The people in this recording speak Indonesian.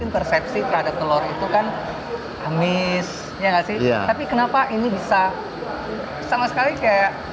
persepsi terhadap telur itu kan amis ya nggak sih tapi kenapa ini bisa sama sekali kayak